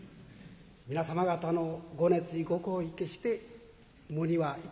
皆様方のご熱意ご厚意決して無にはいたしません。